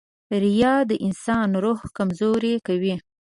• ریا د انسان روح کمزوری کوي.